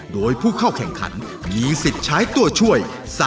โดยผู้เข้าแข่งขันมีสิทธิ์ใช้ตัวช่วย